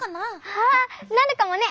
ああなるかもね。